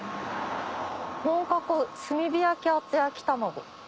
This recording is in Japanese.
「本格炭火焼厚焼卵」。